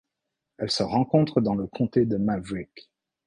Elle se rencontre dans le comté de Maverick.